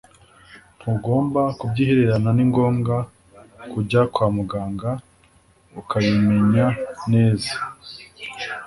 ntugomba kubyihererana ni ngombwa kujya kwa muganga ukabimenya neza.